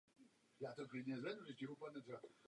Každý má právo dělat a myslet si co chce.